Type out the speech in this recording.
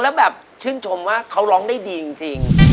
แล้วแบบชื่นชมว่าเขาร้องได้ดีจริง